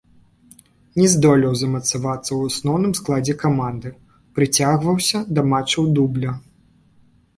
Не здолеў замацавацца ў асноўным складзе каманды, прыцягваўся да матчаў дубля.